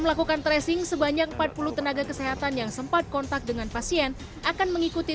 melakukan tracing sebanyak empat puluh tenaga kesehatan yang sempat kontak dengan pasien akan mengikuti